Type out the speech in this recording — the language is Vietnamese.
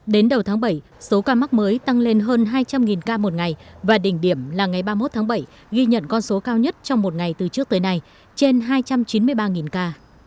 đến đầu tháng bảy số ca mắc mới tăng lên hơn hai trăm linh ca một ngày và đỉnh điểm là ngày ba mươi một tháng bảy ghi nhận con số cao nhất trong một ngày từ trước tới nay trên hai trăm chín mươi ba ca